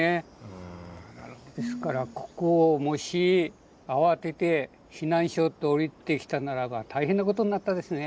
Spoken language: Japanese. ですからここをもし慌てて避難しようと下りてきたならば大変なことになったですね。